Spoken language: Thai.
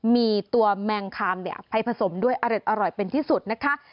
มีตัวแมงคามไปผสมด้วยอร่อยเป็นที่สุดนะคะ